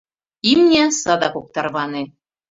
Имне садак ок тарване.